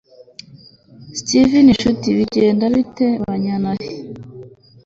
steve nshuti bigenda bite? bajyana he